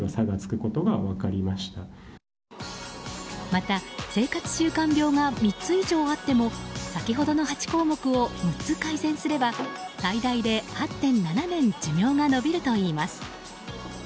また、生活習慣病が３つ以上あっても先ほどの８項目を６つ改善すれば最大で８．７年寿命が延びるといいます。